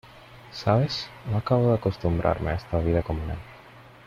¿ sabes? no acabo de acostumbrarme a esta vida comunal.